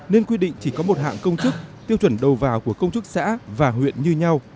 nên quy định chỉ có một hạng công chức tiêu chuẩn đầu vào của công chức xã và huyện như nhau